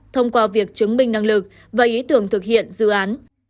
thông qua việc chứng minh năng lực và ý tưởng thực hiện dự án